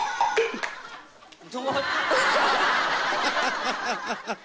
「ハハハハ！」